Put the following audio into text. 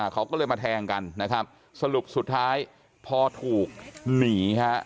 เขาก็เลยมาแทงกันนะครับสรุปสุดท้ายพอถูกหนีฮะ